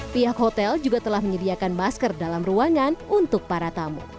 pihak hotel juga telah menyediakan masker dalam ruangan untuk para tamu